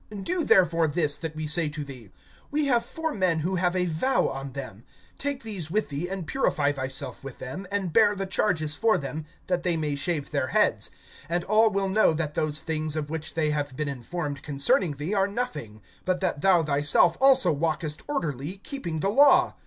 (23)Do therefore this that we say to thee: We have four men who have a vow on them; (24)these take with thee, and purify thyself with them, and bear the charges for them, that they may shave their heads; and all will know that those things, of which they have been informed concerning thee, are nothing, but that thou thyself also walkest orderly, keeping the law.